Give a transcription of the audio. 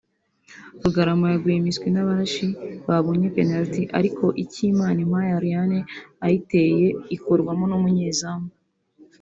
Rugarama yaguye miswi n’ Abarashi babonye penaliti ariko Ikimanimpaye Ariane ayiteye ikurwamo n’umunyezamu